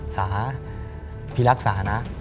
สาพิรักษานะ